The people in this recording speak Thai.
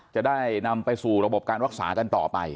จะได้นำไปสู่ระบบการรักษากันต่อไป